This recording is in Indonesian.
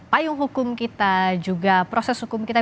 payung hukum kita juga proses hukum kita